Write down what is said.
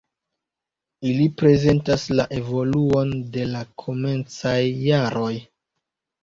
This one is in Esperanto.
Ili prezentas la evoluon de la komencaj jaroj.